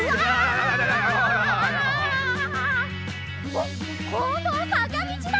おっこんどはさかみちだ！